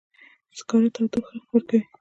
سکاره تودوخه ورکوي